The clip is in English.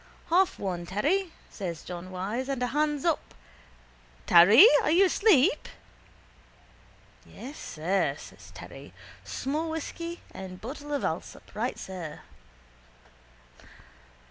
—Half one, Terry, says John Wyse, and a hands up. Terry! Are you asleep? —Yes, sir, says Terry. Small whisky and bottle of Allsop. Right, sir.